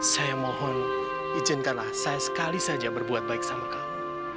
saya mohon izinkanlah saya sekali saja berbuat baik sama kamu